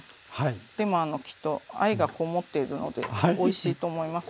でもきっと愛がこもっているのでおいしいと思います。